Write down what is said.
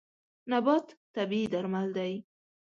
نبات طبیعي درمل دی.